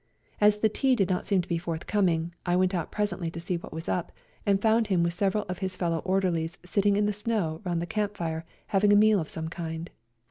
As the tea did not seem to be forthcoming, I went out presently to see what was up, and found him with several of his fellow orderlies sitting in the snow round the camp fire having a meal of some kind.